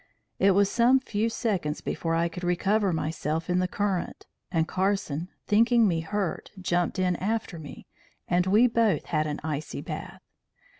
It was some few seconds before I could recover myself in the current, and Carson, thinking me hurt, jumped in after me, and we both had an icy bath.